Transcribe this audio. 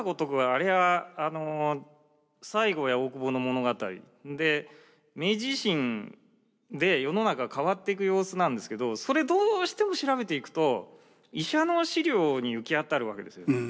あれは西郷や大久保の物語で明治維新で世の中が変わっていく様子なんですけどそれどうしても調べていくと医者の史料に行き当たるわけですよ。